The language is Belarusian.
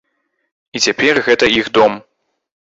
І цяпер гэта іх дом.